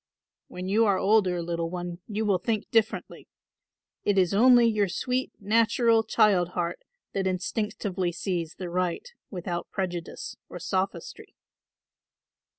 "When you are older, little one, you will think differently. It is only your sweet natural child heart that instinctively sees the right without prejudice or sophistry."